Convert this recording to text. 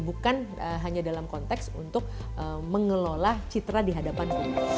bukan hanya dalam konteks untuk mengelola citra di hadapan publik